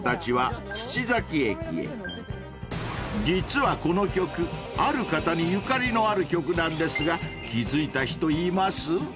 ［実はこの曲ある方にゆかりのある曲なんですが気付いた人います？］